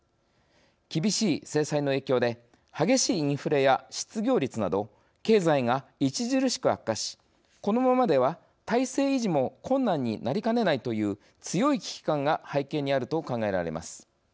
厳しい制裁の影響で激しいインフレや失業率など経済が著しく悪化しこのままでは、体制維持も困難になりかねないという強い危機感が背景にあると考えられます。